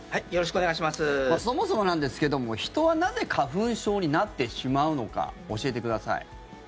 そもそもなんですけれども人はなぜ花粉症になってしまうのか教えてください。